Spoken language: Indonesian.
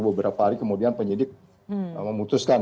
tidak pari kemudian penyelidik memutuskan